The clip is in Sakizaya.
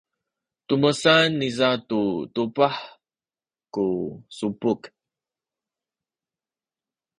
tumesan niza tu tubah ku subuk.